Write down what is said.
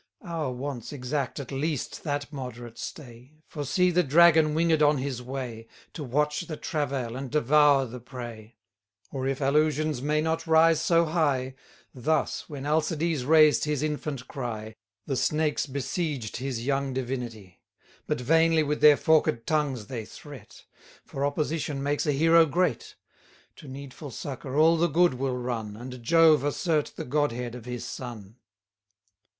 50 Our wants exact at least that moderate stay: For see the Dragon winged on his way, To watch the travail, and devour the prey. Or, if allusions may not rise so high, Thus, when Alcides raised his infant cry, The snakes besieged his young divinity: But vainly with their forked tongues they threat; For opposition makes a hero great. To needful succour all the good will run, 60 And Jove assert the godhead of his son.